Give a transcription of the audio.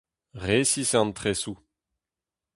Resis eo an tresoù.